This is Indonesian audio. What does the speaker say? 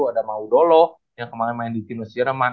ada mau dolo yang kemarin main di team west jerman